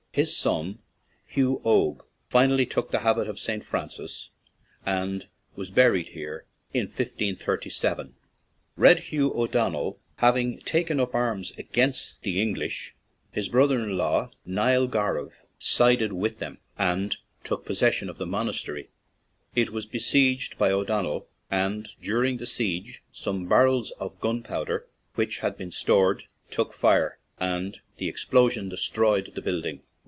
His son, Hugh Oge, finally took the habit of St. Francis, and was buried here in 1537. Red Hugh O'Donnell having taken up arms against the English, his brother 53 ON AN IRISH JAUNTING CAR in law, Niall Garbh, sided with them and took possession of the monastery. It was besieged by O'Donnell, and during the siege some barrels of gunpowder which had been stored took fire and the explosion destroyed the building.